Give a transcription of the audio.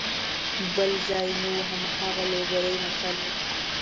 بل ځای نه وو هماغه لوګری متل وو.